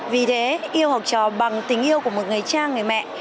vì thế yêu học trò bằng tình yêu của một người cha người mẹ